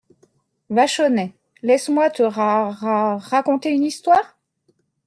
Vachonnet Laisse-moi te ra … ra … raconter une histoire ?